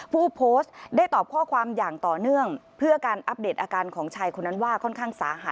ผู้โพสต์ได้ตอบข้อความอย่างต่อเนื่องเพื่อการอัปเดตอาการของชายคนนั้นว่าค่อนข้างสาหัส